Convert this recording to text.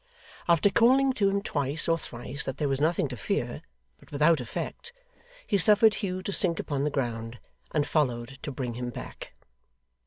After calling to him twice or thrice that there was nothing to fear, but without effect, he suffered Hugh to sink upon the ground, and followed to bring him back.